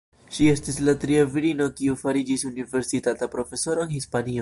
Ŝi estis la tria virino kiu fariĝis universitata profesoro en Hispanio.